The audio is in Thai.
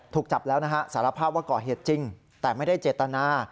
ถูกจับแล้วนะฮะสารภาพว่าก่อเหตุจริงแต่ไม่ได้เจตนา